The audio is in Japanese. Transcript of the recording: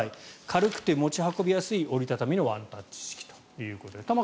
軽くて持ち運びやすい折り畳みのワンタッチと。